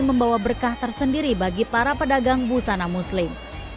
membawa berkah tersendiri bagi para pedagang busana muslim